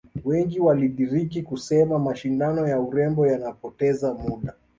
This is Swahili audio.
Wengi walidiriki kusema mashindano ya urembo yanapoteza muda